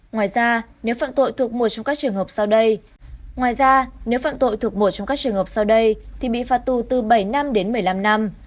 ngoài ra nếu phạm tội thuộc một trong các trường hợp sau đây thì bị phạt tù từ bảy năm đến một mươi năm năm